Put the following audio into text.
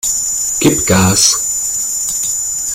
Gib Gas!